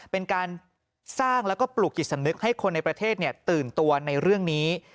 เป็นการสร้างแล้วก็ปลูกจิตสำนึกให้คนในประเทศตื่นตัวในเรื่องนี้